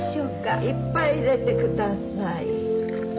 いっぱい入れて下さい。